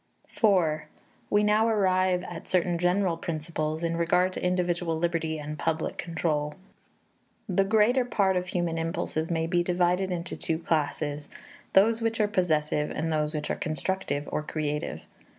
IV We now arrive at certain general principles in regard to individual liberty and public control. The greater part of human impulses may be divided into two classes, those which are possessive and those which are constructive or creative.